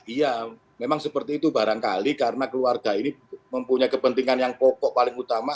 iya memang seperti itu barangkali karena keluarga ini mempunyai kepentingan yang pokok paling utama